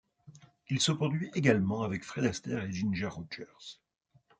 Il se produit également avec Fred Astaire et Ginger Rogers.